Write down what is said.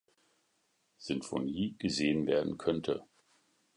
Sinfonie gesehen werden könnte.